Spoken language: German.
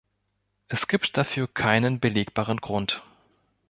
Es gibt dafür keinen belegbaren Grund.